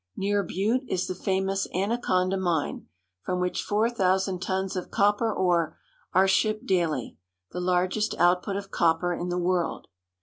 Near Butte is the famous Anaconda Mine, from which four thousand tons of copper ore are shipped daily — the largest output of copper in the world.